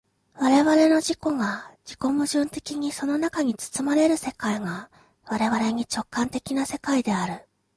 我々の自己が自己矛盾的にその中に包まれる世界が我々に直観的な世界である。